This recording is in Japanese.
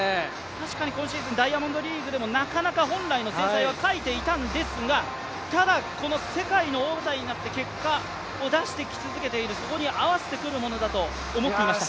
確かに今シーズン、ダイヤモンドリーグでもなかなか本来の精彩は欠いていたんですがただ、世界の大舞台になって結果を出してき続けているそこに合わせてくるものだと思ってました。